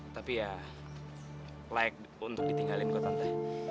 tapi ya layak untuk ditinggalin ke tante